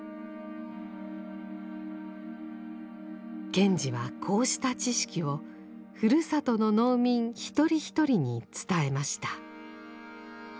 賢治はこうした知識をふるさとの農民一人一人に伝えました。